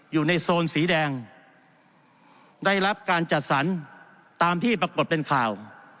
อยู่ในโซนสีแดงได้รับการจัดสรรตามที่ปรากฏเป็นข่าว